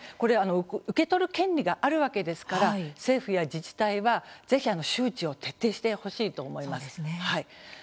受け取る権利があるわけですから政府や自治体は、ぜひ周知を徹底してほしいと思います。